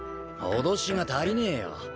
脅しが足りねえよ